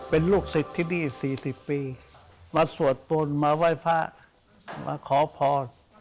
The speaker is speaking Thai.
เป็นลูกศิษย์ที่นี่๔๐ปีมาสวดมนต์มาไหว้พระมาขอพร